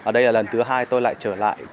đây là lần thứ hai tôi lại trở lại